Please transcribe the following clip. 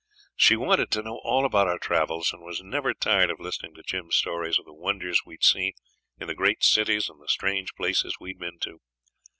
She wanted to know all about our travels, and was never tired of listening to Jim's stories of the wonders we had seen in the great cities and the strange places we had been to.